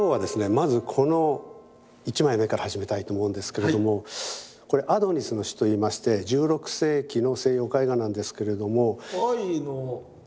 まずこの一枚の絵から始めたいと思うんですけれどもこれ「アドニスの死」といいまして１６世紀の西洋絵画なんですけれども。